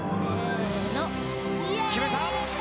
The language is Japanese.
決めた！